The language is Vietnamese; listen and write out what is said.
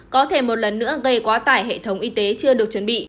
có thể một lần nữa gây quá tải hệ thống y tế chưa được chuẩn bị